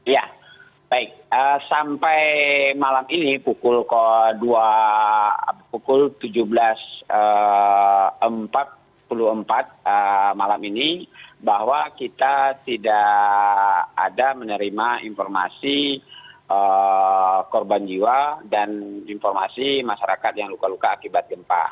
ya baik sampai malam ini pukul tujuh belas empat puluh empat malam ini bahwa kita tidak ada menerima informasi korban jiwa dan informasi masyarakat yang luka luka akibat gempa